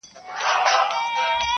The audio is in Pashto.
• شته من هم له بدبویي سره عادت سو -